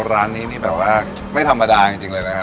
ร้านนี้นี่แบบว่าไม่ธรรมดาจริงเลยนะครับ